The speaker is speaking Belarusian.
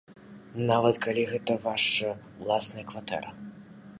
Нават калі гэта ваша ўласная кватэра.